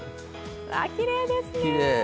きれいですね。